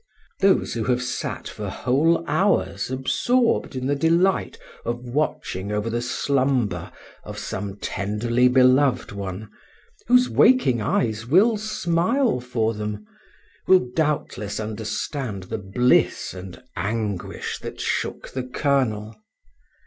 Those who have sat for whole hours absorbed in the delight of watching over the slumber of some tenderly beloved one, whose waking eyes will smile for them, will doubtless understand the bliss and anguish that shook the colonel.